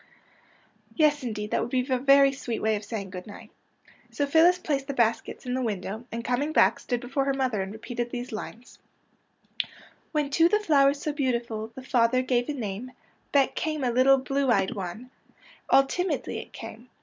"Yes, indeed, that would be a very sweet way of saying good night." So Phyllis placed the baskets in the window, and, coming back, stood before her mother and repeated these lines: n When to the flowers so beautiful, The Father gave a name, Back came a little blue eyed one, 80 PANSY AND FORGET ME NOT All timidly it came.